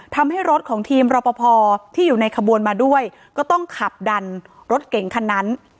ทำให้รถของทีมรอปภที่อยู่ในขบวนมาด้วยก็ต้องขับดันรถเก่งคันนั้น